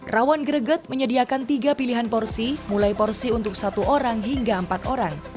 rawon greget menyediakan tiga pilihan porsi mulai porsi untuk satu orang hingga empat orang